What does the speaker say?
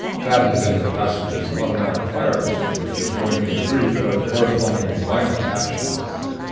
That had been the passage's automatic fire extinguishers going into brief but correspondingly violent action.